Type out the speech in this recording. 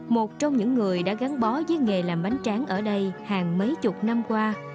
một trong những người đã gắn bó với nghề làm bánh tráng ở đây hàng mấy chục năm qua